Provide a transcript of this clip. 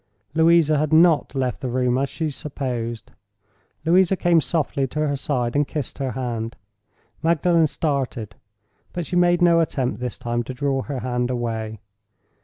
Louisa had not left the room, as she supposed—Louisa came softly to her side, and kissed her hand. Magdalen started; but she made no attempt, this time, to draw her hand away.